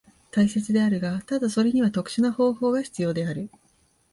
大切であるが、ただそれには特殊な方法が必要である。